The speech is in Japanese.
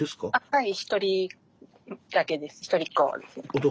はい。